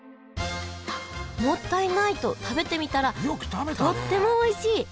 もったいないと食べてみたらとってもおいしい！